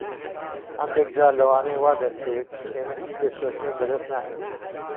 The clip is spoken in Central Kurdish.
هەندێک جار لەوانەیە وا دەربکەوێت کە ئێمە هیچ پێشکەوتنێک بەدەست ناهێنین.